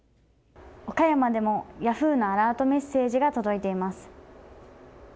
岡山でもヤフーのアラートメッセージが届いています。